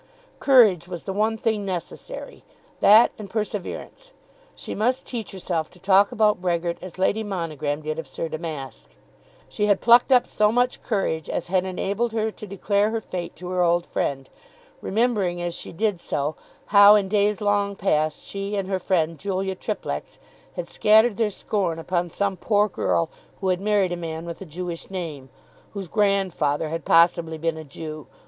Courage was the one thing necessary, that and perseverance. She must teach herself to talk about Brehgert as Lady Monogram did of Sir Damask. She had plucked up so much courage as had enabled her to declare her fate to her old friend, remembering as she did so how in days long past she and her friend Julia Triplex had scattered their scorn upon some poor girl who had married a man with a Jewish name, whose grandfather had possibly been a Jew.